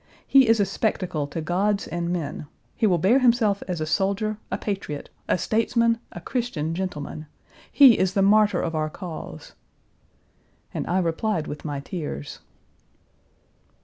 He is a spectacle to gods and men. He will bear himself as a soldier, a patriot, Page 395 a statesman, a Christian gentleman. He is the martyr of our cause." And I replied with my tears.